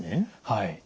はい。